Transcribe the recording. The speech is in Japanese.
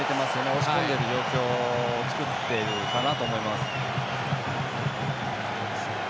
押し込んでいる状況を作っているかなと思います。